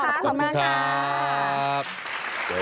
ขอบคุณมากค่ะ